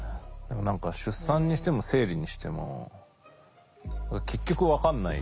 何か出産にしても生理にしても結局分かんない。